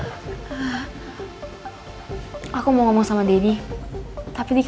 mas dia sudah canggih sih